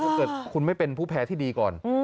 ถ้าเกิดคุณไม่เป็นผู้แพ้ที่ดีก่อน